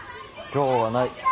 今日はない。